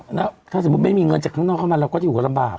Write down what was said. แล้วถ้าสมมุติไม่มีเงินจากข้างนอกเข้ามาเราก็อยู่กันลำบาก